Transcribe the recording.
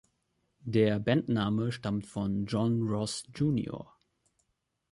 Der Bandname stammt von „John Ross ‚J.